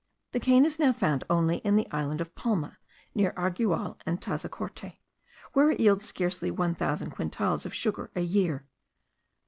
The cane is now found only in the island of Palma, near Argual and Tazacorte,* where it yields scarcely one thousand quintals of sugar a year.